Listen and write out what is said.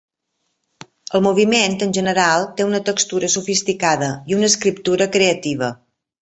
El moviment, en general, té una textura sofisticada i una escriptura creativa.